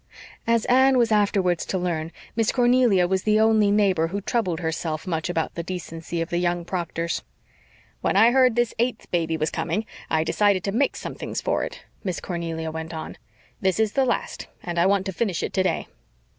As Anne was afterwards to learn, Miss Cornelia was the only neighbor who troubled herself much about the decency of the young Proctors. "When I heard this eighth baby was coming I decided to make some things for it," Miss Cornelia went on. "This is the last and I want to finish it today."